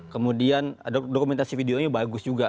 kemudian dokumentasi videonya bagus juga